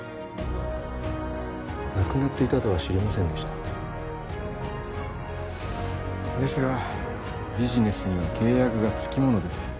亡くなっていたとは知りませんでしたですがビジネスには契約がつきものです